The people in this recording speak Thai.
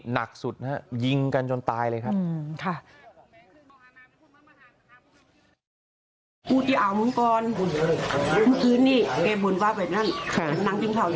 หนักสุดนะฮะยิงกันจนตายเลยครับ